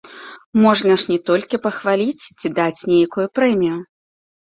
Можна ж не толькі пахваліць ці даць нейкую прэмію.